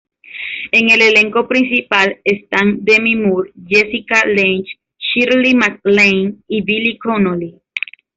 En el elenco principal están Demi Moore, Jessica Lange, Shirley MacLaine y Billy Connolly.